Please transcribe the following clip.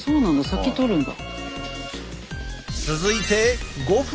先取るんだ。